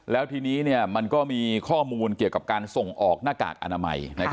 แล้วทีนี้มันก็มีข้อมูลเกี่ยวกับการส่งออกหน้ากากอนามัย